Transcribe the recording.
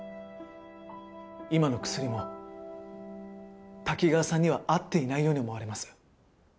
今の薬も滝川さんには合っていないように思われます。